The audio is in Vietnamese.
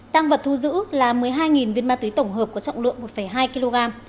tăng vật thu giữ là một mươi hai viên ma túy tổng hợp có trọng lượng một hai kg